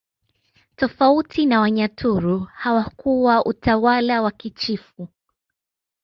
Tofauti na Wanyaturu hawakuwa utawala wa kichifu